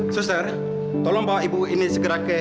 sester tolong bawa ibu ini segera ke ugd ya